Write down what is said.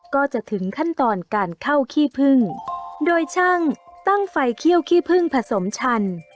ก็จะถึงขั้นตอนการเข้าขี้พึ่งโดยช่างตั้งไฟเขี้ยวขี้พึ่งผสมชัน